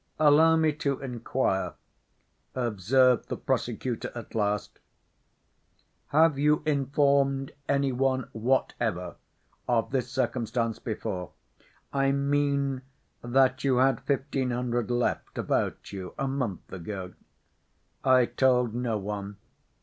"Allow me to inquire," observed the prosecutor at last, "have you informed any one whatever of this circumstance before, I mean that you had fifteen hundred left about you a month ago?" "I told no one."